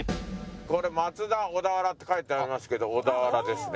これ「松田」「小田原」って書いてありますけど小田原ですね。